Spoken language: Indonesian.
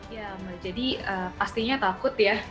ya mbak jadi pastinya takut ya